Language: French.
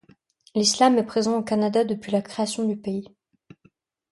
L'islam est présent au Canada depuis la création du pays.